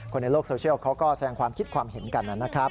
คนในโลกโซเชียลเขาก็แสงความคิดความเห็นกันนะครับ